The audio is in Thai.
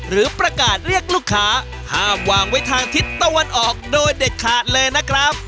หรือประกาศเรียกลูกค้าห้ามวางไว้ทางทิศตะวันออกโดยเด็ดขาดเลยนะครับ